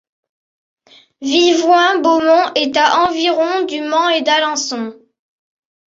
Vivoin - Beaumont est à environ du Mans et d'Alençon.